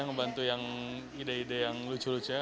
ngebantu yang ide ide yang lucu lucu